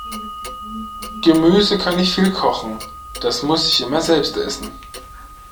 Gemüse kann ich viel kochen, das muss ich immer selbst essen.